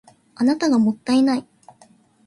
あなたがもったいない